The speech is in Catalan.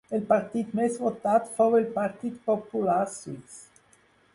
El partit més votat fou el Partit Popular Suís.